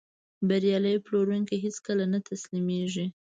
بریالی پلورونکی هیڅکله نه تسلیمېږي.